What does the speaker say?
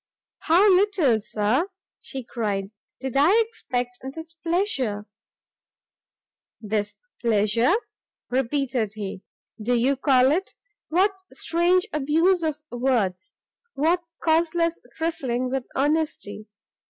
"How little, Sir," she cried, "did I expect this pleasure." "This pleasure," repeated he, "do you call it? what strange abuse of words! what causeless trifling with honesty!